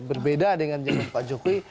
berbeda dengan zaman pak jokowi